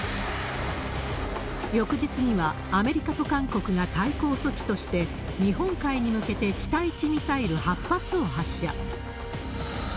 翌日には、アメリカと韓国が対抗措置として、日本海に向けて地対地ミサイル８発を発射。